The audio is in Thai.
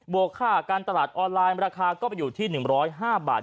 วกค่าการตลาดออนไลน์ราคาก็ไปอยู่ที่๑๐๕บาท